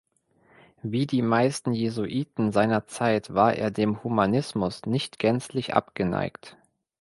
Wie die meisten Jesuiten seiner Zeit war er dem Humanismus nicht gänzlich abgeneigt.